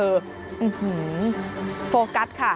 อื้อหือโฟกัสค่ะ